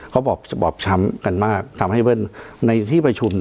เขาบอบช้ำกันมากทำให้เวิ่นในที่ประชุมเนี่ย